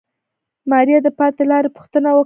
ماريا د پاتې لارې پوښتنه وکړه.